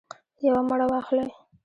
یوه مڼه واخلئ